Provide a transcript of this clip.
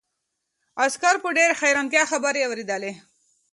عسکر په ډېرې حیرانتیا خبرې اورېدلې.